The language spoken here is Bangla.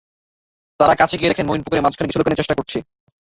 তাঁরা কাছে গিয়ে দেখেন, মঈন পুকুরের মাঝখানে কিছু লুকানোর চেষ্টা করছেন।